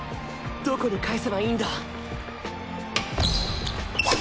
どこに返せばいいんだ？